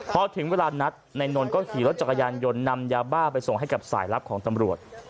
พอถึงเวลานัดนายนนท์ก็ขี่รถจักรยานยนต์นำยาบ้าไปส่งให้กับสายลับของตำรวจ